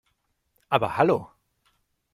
Aber hallo!